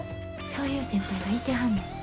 そういう先輩がいてはんねん。